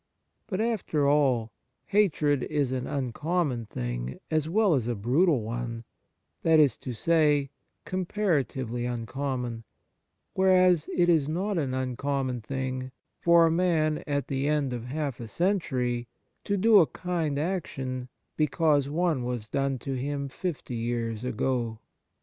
But, after all, hatred is an uncommon thing as well as a brutal one — that is to say, comparatively uncommon ; whereas, it is not an uncommon thing for a man at the end of half a century to do a kind action because one was done to him fifty years ago.